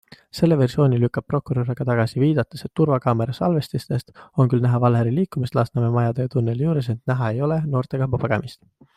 Selle versiooni lükkab prokurör aga tagasi, viidates, et turvakaamera salvestistest on küll näha Valeri liikumist Lasnamäe majade ja tunneli juures, ent näha ei ole noortekamba pagemist.